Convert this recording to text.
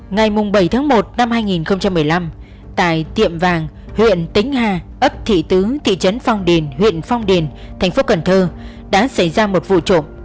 ngày bảy tháng một năm hai nghìn một mươi năm tại tiệm vàng huyện tính hà ấp thị tứ thị trấn phong điền huyện phong điền thành phố cần thơ đã xảy ra một vụ trộm